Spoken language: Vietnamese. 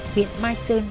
huyện mai sơn